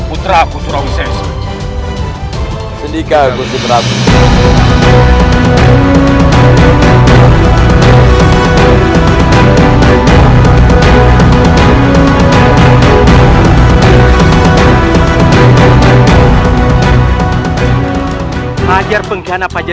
keragaman untuk sitabu ayunda putra tomarakan tanggung jawab kaji